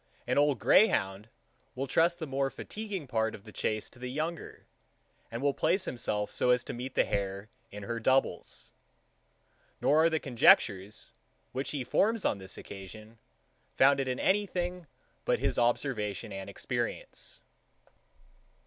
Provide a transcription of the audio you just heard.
An old greyhound will trust the more fatiguing part of the chace to the younger, and will place himself so as to meet the hare in her doubles; nor are the conjectures, which he forms on this occasion, founded in any thing but his observation and experience.